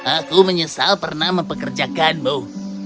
aku menyesal pernah mempekerjakanmu